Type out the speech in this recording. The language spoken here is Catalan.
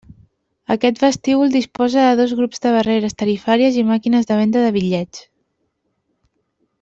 Aquest vestíbul disposa de dos grups de barreres tarifàries i màquines de venda de bitllets.